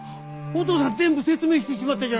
お父さん全部説明してしまったじゃないか。